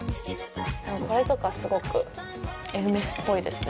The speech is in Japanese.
これとかすごくエルメスっぽいですね。